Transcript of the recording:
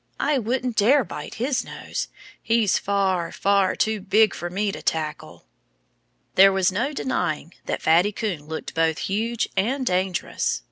I wouldn't dare bite his nose. He's far, far too big for me to tackle." There was no denying that Fatty Coon looked both huge and dangerous.